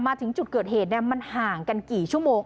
มาถึงจุดเกิดเหตุมันห่างกันกี่ชั่วโมง